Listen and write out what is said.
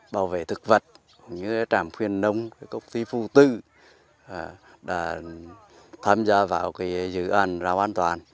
bảo vệ thực vật trảm khuyên nông công ty phụ tư đã tham gia vào dự án rau an toàn